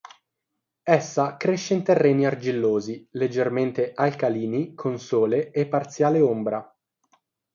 Essa cresce in terreni argillosi, leggermente alcalini, con sole e parziale ombra.